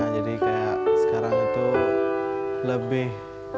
jadi kayak sekarang itu lebih